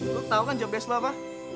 lu tau kan job desk lu apa